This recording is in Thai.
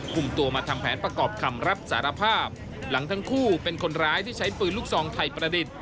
คุมตัวมาทำแผนประกอบคำรับสารภาพหลังทั้งคู่เป็นคนร้ายที่ใช้ปืนลูกซองไทยประดิษฐ์